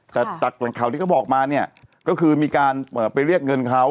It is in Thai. แต่จากแหล่งข่าวที่เขาบอกมาเนี่ยก็คือมีการไปเรียกเงินเขา